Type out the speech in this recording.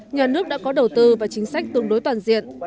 nhà nước đã có đầu tư và chính sách tương đối toàn diện